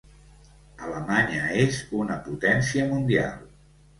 Alemanya és una potència mundial.